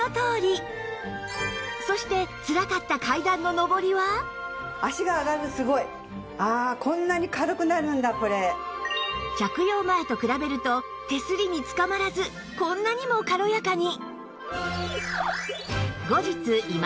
そしてつらかった着用前と比べると手すりにつかまらずこんなにも軽やかに！